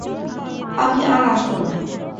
আমি আর আসবো না।